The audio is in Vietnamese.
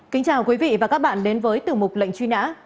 kính chào quý vị và các bạn đến với tiểu mục lệnh truy nã